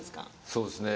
そうですね。